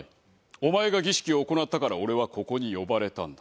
お前が儀式を行ったから俺はここに呼ばれたんだ。